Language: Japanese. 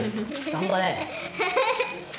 頑張れ。